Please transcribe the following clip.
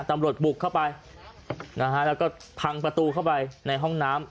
บุกเข้าไปนะฮะแล้วก็พังประตูเข้าไปในห้องน้ำ